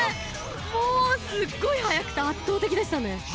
もうすごい速くて圧倒的でしたね。